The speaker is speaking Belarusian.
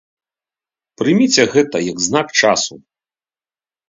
Прыміце гэта як знак часу.